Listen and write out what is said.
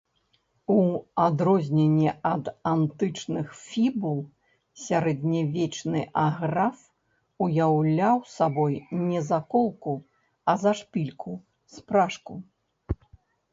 У адрозненне ад антычных фібул, сярэднявечны аграф уяўляў сабой не заколку, а зашпільку, спражку.